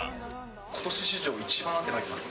ことし史上一番汗かいてます。